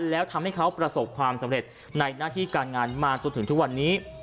แล้วทำให้เขาประสบความสำเร็จในหน้าที่การงานมาจนถึงทุกวันนี้